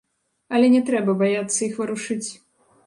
Але не трэба баяцца іх варушыць.